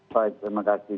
baik terima kasih